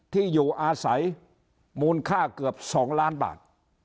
ที่อยู่อาศัยมูลค่าเกือบ๒ล้านบาท